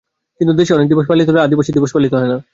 কিন্তু দেশে অনেক দিবস পালিত হলেও আদিবাসী দিবস পালিত হয় না।